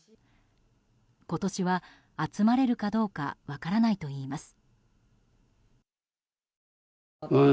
今年は集まれるかどうか分からないといいます。